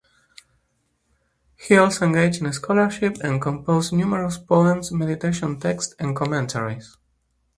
He also engaged in scholarship and composed numerous poems, meditation texts and commentaries.